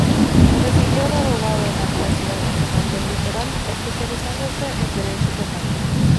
Se recibió de abogado en la Universidad Nacional del Litoral, especializándose en Derecho Penal.